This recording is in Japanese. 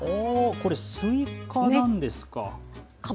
これ、スイカなんですか。